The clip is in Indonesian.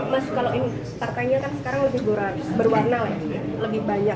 mas kalau ini partainya kan sekarang lebih berwarna lah lebih banyak